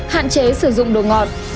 hạn chế sử dụng đồ ngọt